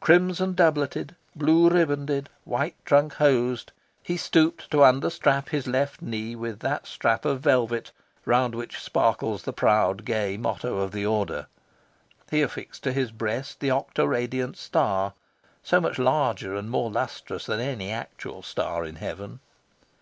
Crimson doubleted, blue ribanded, white trunk hosed, he stooped to understrap his left knee with that strap of velvet round which sparkles the proud gay motto of the Order. He affixed to his breast the octoradiant star, so much larger and more lustrous than any actual star in heaven.